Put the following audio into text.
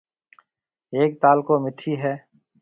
ھيَََڪ تعلقو مٺِي ھيََََ